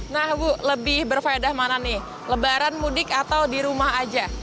nah bu lebih berfaedah mana nih lebaran mudik atau di rumah aja